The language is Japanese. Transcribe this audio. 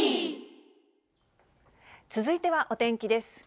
続いてはお天気です。